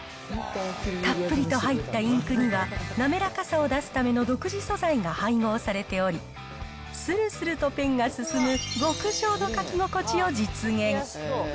たっぷりと入ったインクには、滑らかさを出すための独自素材が配合されており、するするとペンが進む極上の書き心地を実現。